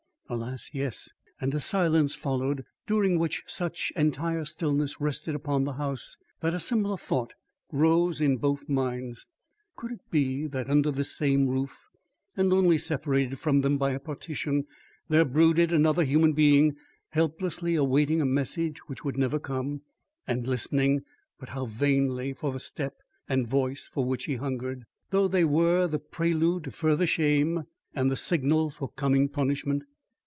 "Alas, yes." And a silence followed, during which such entire stillness rested upon the house that a similar thought rose in both minds. Could it be that under this same roof, and only separated from them by a partition, there brooded another human being helplessly awaiting a message which would never come, and listening, but how vainly, for the step and voice for which he hungered, though they were the prelude to further shame and the signal for coming punishment.